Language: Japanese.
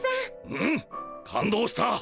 うん感動した！